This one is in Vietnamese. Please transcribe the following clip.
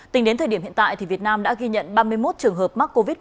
tính đến thời điểm hiện tại việt nam đã ghi nhận ba mươi một trường hợp mắc covid một mươi chín